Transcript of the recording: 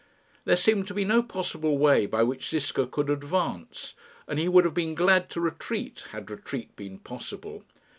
There seemed to be no possible way by which Ziska could advance, and he would have been glad to retreat had retreat been possible.